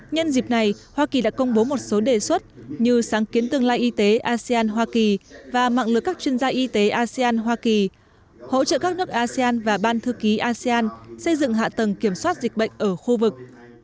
nhân dịp này hoa kỳ đã công bố một số đề xuất như sáng kiến tương lai y tế asean hoa kỳ và mạng lực các chuyên gia y tế asean hoa kỳ hỗ trợ các nước asean và ban thư ký asean xây dựng hạ tầng kiểm soát dịch bệnh ở khu vực